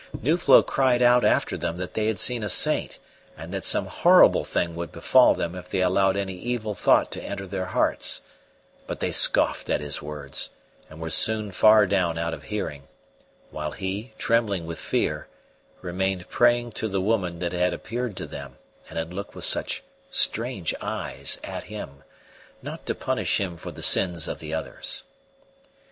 Nuflo cried out after them that they had seen a saint and that some horrible thing would befall them if they allowed any evil thought to enter their hearts; but they scoffed at his words, and were soon far down out of hearing, while he, trembling with fear, remained praying to the woman that had appeared to them and had looked with such strange eyes at him, not to punish him for the sins of the others.